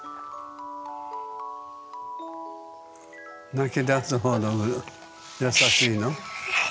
泣きだすほど優しいの？